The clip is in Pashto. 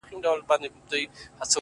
خو خپه كېږې به نه،